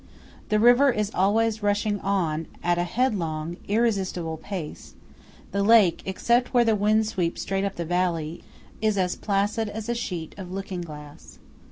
The river is always rushing on at a headlong, irresistible pace; the lake, except when the wind sweeps straight up the valley, is as placid as a sheet of looking glass.